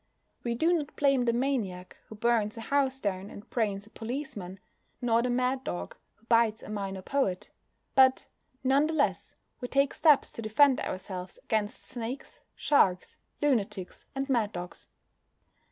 We do not blame the maniac who burns a house down and brains a policeman, nor the mad dog who bites a minor poet. But, none the less, we take steps to defend ourselves against snakes, sharks, lunatics, and mad dogs.